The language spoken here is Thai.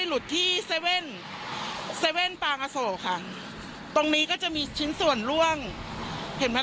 คนที่ชาวมาทางวัดในประเทศก็เหมือนกันอยู่กัน